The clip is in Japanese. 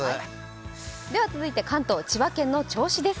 続いて関東、千葉県の銚子です。